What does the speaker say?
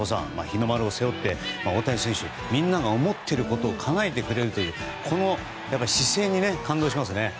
日の丸を背負って大谷選手がみんなが思っていることをかなえてくれるというこの姿勢に感動しますね。